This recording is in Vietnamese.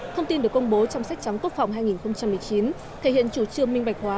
thông tin được công bố trong sách trắng quốc phòng hai nghìn một mươi chín thể hiện chủ trương minh bạch hóa